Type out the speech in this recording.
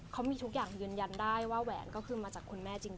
เขามีทุกอย่างยืนยันได้ว่าแหวนก็คือมาจากคุณแม่จริง